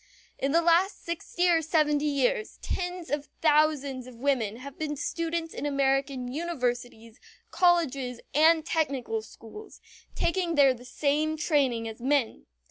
In the last sixty or seventy years tens of thousands of women have been students in American universities, colleges, and technical schools, taking there the same training as men.